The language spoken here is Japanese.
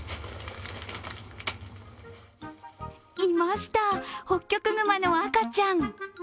いました、ホッキョクグマの赤ちゃん。